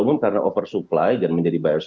namun karena oversupply dan menjadi buyers